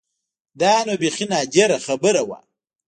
دا نو بيخي نادره خبره وه.